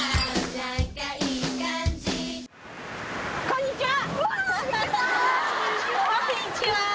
こんにちは。